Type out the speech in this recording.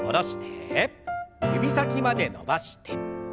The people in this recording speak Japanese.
指先まで伸ばして。